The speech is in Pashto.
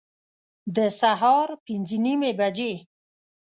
د سهار پنځه نیمي بجي